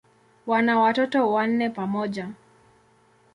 Wana watoto wanne pamoja.